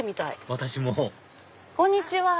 私もこんにちは！